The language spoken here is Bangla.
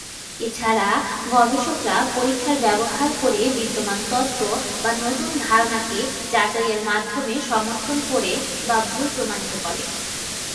এছাড়া গবেষকরা পরীক্ষার ব্যবহার করে বিদ্যমান তত্ত্ব বা নতুন ধারণাকে যাচাইয়ের মাধ্যমে সমর্থন করে বা ভুল প্রমাণিত করে।